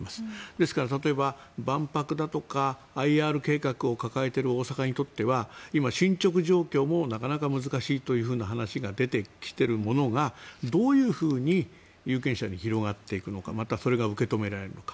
ですから、例えば万博だとかＩＲ計画を抱えている大阪にとっては今、進ちょく状況もなかなか難しいという話が出てきているものがどういうふうに有権者に広がっていくのかまた、それが受け止められるのか。